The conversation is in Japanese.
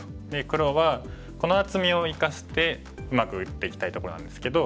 黒はこの厚みを生かしてうまく打っていきたいとこなんですけど。